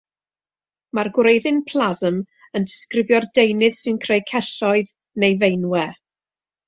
Mae'r gwreiddyn "-plasm" yn disgrifio'r deunydd sy'n creu celloedd neu feinwe.